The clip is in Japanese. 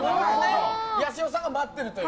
やしろさんが待ってるという。